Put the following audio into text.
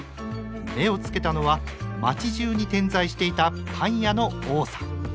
目をつけたのは街じゅうに点在していたパン屋の多さ。